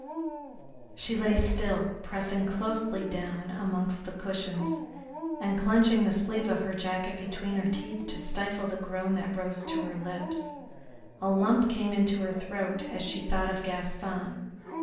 She lay still, pressing closely down amongst the cushions, and clenching the sleeve of her jacket between her teeth to stifle the groan that rose to her lips. A lump came into her throat as she thought of Gaston.